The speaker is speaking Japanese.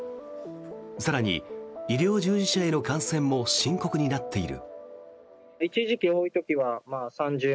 更に医療従事者への感染も深刻になっている。